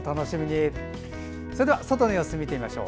それでは外の様子見てみましょう。